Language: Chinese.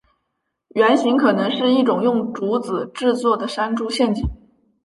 原型可能是一种用竹子制作的山猪陷阱。